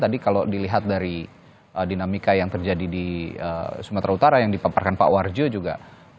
tadi kalau dilihat dari dinamika yang terjadi di sumatera utara yang dipaparkan pak warjo juga